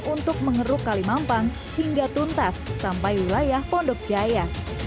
untuk mengeruk kalimampang hingga tuntas sampai wilayah pondok jaya